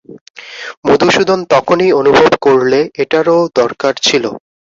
মধুসূদন তখনই অনুভব করলে এটারও দরকার ছিল।